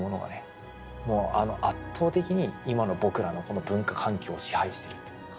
もう圧倒的に今の僕らのこの文化環境を支配してるという。